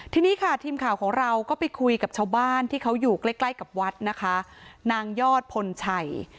ทีนี้ค่ะทีมข่าวของเราก็ไปคุยกับชาวบ้านที่เขาอยู่ใกล้ใกล้กับวัดนะคะนางยอดพลชัย